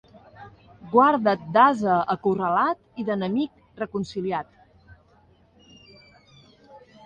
Guarda't d'ase acorralat i d'enemic reconciliat.